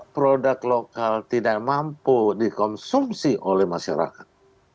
produk lokal tidak mampu dikonsumsi oleh masyarakat